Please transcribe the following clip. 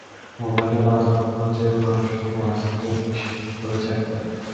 মোবাইলে বার্তা পাঠানোর চেয়ে মানুষ এখন হোয়াটসঅ্যাপে বেশি করে চ্যাট করে।